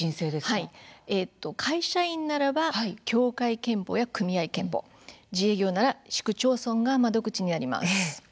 会社員ならば協会けんぽや組合健保自営業なら市区町村が窓口になります。